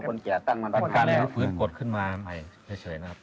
คนเก่าคนแก่ตั้งมันตั้งครับมีการฝืนกฎขึ้นมาใหม่เฉยนะครับ